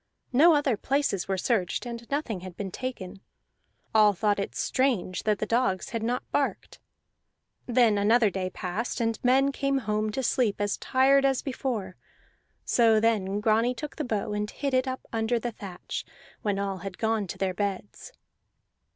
No other places were searched, and nothing had been taken; all thought it strange that the dogs had not barked. Then another day passed, and men came home to sleep as tired as before; so then Grani took the bow and hid it up under the thatch, when all had gone to their beds.